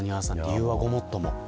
理由はごもっともですね。